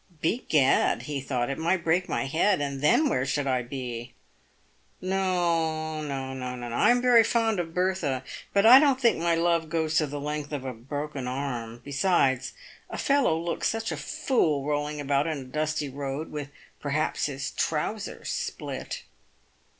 " Begad," be thought, " it might break my head, and then where should I be ? No, no, I'm very fond of Bertha, but I don't think my love goes to the length of a broken arm. Besides, a fellow looks such a fool rolling about in a dusty road with perhaps his trousers split."